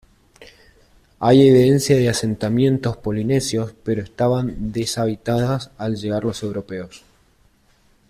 Hay evidencias de asentamientos polinesios, pero estaba deshabitada al llegar los europeos.